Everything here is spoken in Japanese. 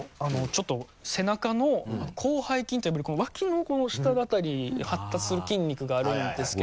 ちょっと背中の広背筋ってやっぱりこの脇のこの下の辺り発達する筋肉があるんですけど。